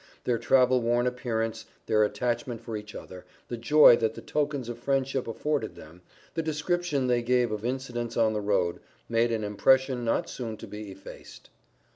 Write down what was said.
Their travel worn appearance, their attachment for each other, the joy that the tokens of friendship afforded them, the description they gave of incidents on the road, made an impression not soon to be effaced.